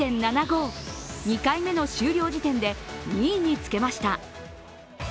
回目の終了時点で２位につけました。